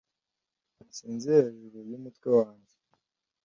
Sinzi hejuru yumutwe wanjye.